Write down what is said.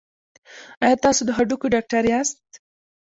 ایا تاسو د هډوکو ډاکټر یاست؟